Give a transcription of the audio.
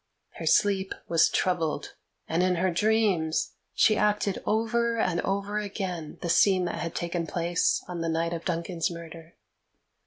Her sleep was troubled, and in her dreams she acted over and over again the scene that had taken place on the night of Duncan's murder.